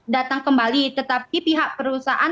datang kembali tetapi pihak perusahaan